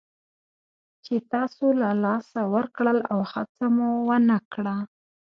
چې تاسو له لاسه ورکړل او هڅه مو ونه کړه.